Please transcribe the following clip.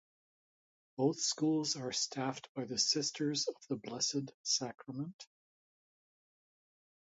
Both schools were staffed by the Sisters of the Blessed Sacrament.